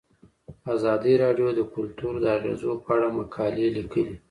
ازادي راډیو د کلتور د اغیزو په اړه مقالو لیکلي.